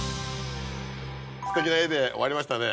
すてきな画で終わりましたね。